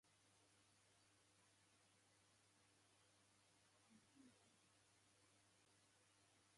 Both product lines are marketed in the United States by retail piano stores.